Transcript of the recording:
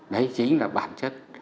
đấy chính là bản chất